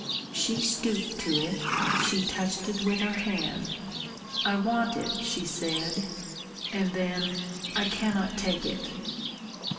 She stooped to it, she touched it with her hand. "I want it," she said; and then, "I cannot take it...."